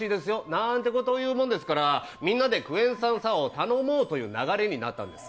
なーんてことを言うもんですからみんなでクエン酸サワーを頼もうという流れになったんです。